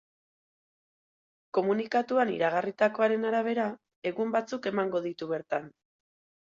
Komunikatuan iragarritakoaren arabera, egun batzuk emango ditu bertan.